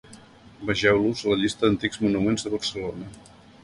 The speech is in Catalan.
Vegeu-los a la llista d'antics monuments de Barcelona.